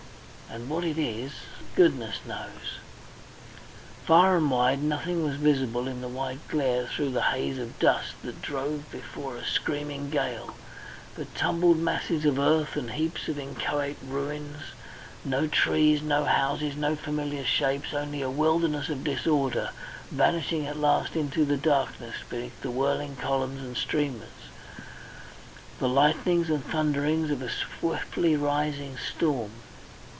"And what it is goodness knows." Far and wide nothing was visible in the white glare through the haze of dust that drove before a screaming gale but tumbled masses of earth and heaps of inchoate ruins, no trees, no houses, no familiar shapes, only a wilderness of disorder, vanishing at last into the darkness beneath the whirling columns and streamers, the lightnings and thunderings of a swiftly rising storm.